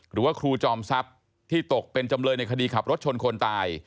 หรือว่าครูจอมทรัพย์ที่ตกเป็นจำเลยในคดีขับรถชนคนตาย